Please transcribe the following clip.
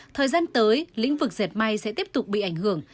thời gian tới lĩnh vực dệt may sẽ tiếp tục bị ảnh hưởng